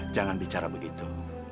jangan bicara begitu